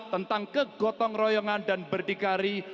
tentang kegotong royongan dan berdikari